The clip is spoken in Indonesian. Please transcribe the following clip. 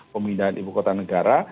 pemindahan ibu kota negara